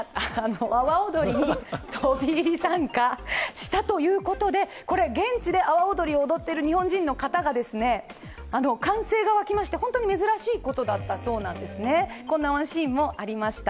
阿波踊りに飛び入り参加したということでこれ、現地で阿波踊りを踊っている日本人の方が歓声が沸きまして、本当に珍しいことだったそうなんです、こんなワンシーンもありました。